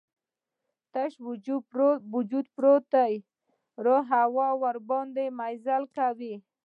تش وجود پروت دی، روح هوا باندې مزلې کوي